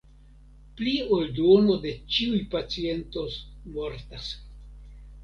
Pli ol duono de ĉiuj pacientoj mortas.